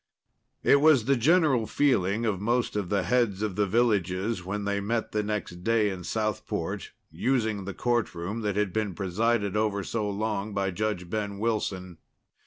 It was the general feeling of most of the heads of the villages when they met the next day in Southport, using the courtroom that had been presided over so long by Judge Ben Wilson.